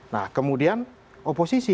nah kemudian oposisi